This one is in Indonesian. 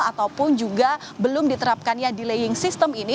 ataupun juga belum diterapkannya delaying system ini